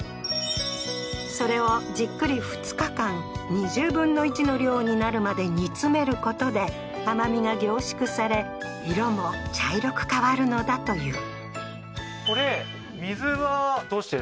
それをじっくり２日間、２０分の１の量になるまで煮詰めることで、甘みが凝縮され、色も茶色く変わるのだという。